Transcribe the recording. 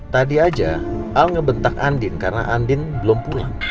tadi aja al ngebentak andin karena andin belum pulang